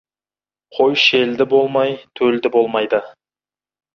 Қой шелді болмай, төлді болмайды.